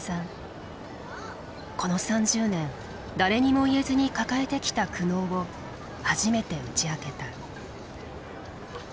この３０年誰にも言えずに抱えてきた苦悩を初めて打ち明けた。